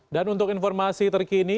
dan untuk informasi terkini